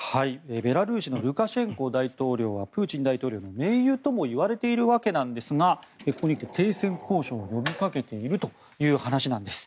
ベラルーシのルカシェンコ大統領はプーチン大統領の盟友ともいわれているわけですがここにきて停戦交渉を呼びかけているという話なんです。